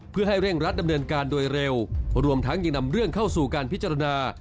เพื่อให้เร่งรัดดำเนินการโดยเร็วรวมทั้งยังนำเรื่องเข้าสู่การพิจารณา